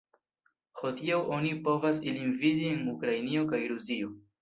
Hodiaŭ oni povas ilin vidi en Ukrainio kaj Rusio.